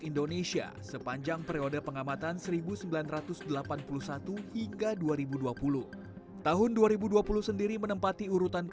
indonesia sepanjang periode pengamatan seribu sembilan ratus delapan puluh satu hingga dua ribu dua puluh tahun dua ribu dua puluh sendiri menempati urutan